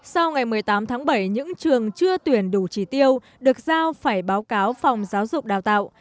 sau ngày một mươi tám tháng bảy những trường chưa tuyển đủ trì tiêu được giao phải báo cáo phòng giáo dục đào tạo